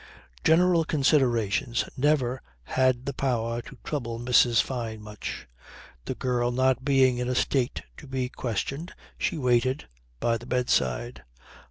General considerations never had the power to trouble Mrs. Fyne much. The girl not being in a state to be questioned she waited by the bedside.